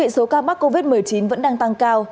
số ca mắc covid một mươi chín vẫn đang tăng cao